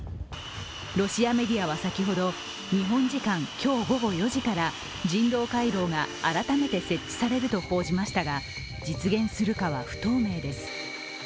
ロシアメディアは先ほど、日本時間今日午後４時から人道回廊が改めて設置されると報じましたが実現するかは不透明です。